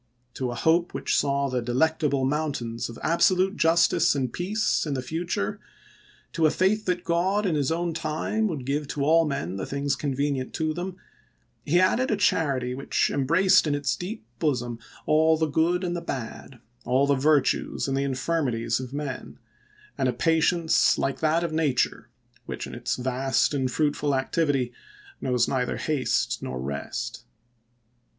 To a hope which saw the Delectable Mountains of absolute justice and peace in the future, to a faith that God in his own time would give to all men the things convenient to them, he added a charity which embraced in its deep bosom all the good and the bad, all the vir tues and the infirmities of men, and a patience like that of nature, which in its vast and fruitful activ ity knows neither haste nor rest.